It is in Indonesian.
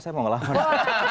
saya mau ngelamarnya